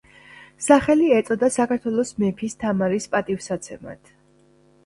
სახელი ეწოდა საქართველოს მეფის თამარის პატივისაცემად.